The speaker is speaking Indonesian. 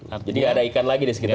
jadi tidak ada ikan lagi di sekitar situ